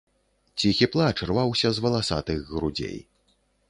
Ціхі плач рваўся з валасатых грудзей.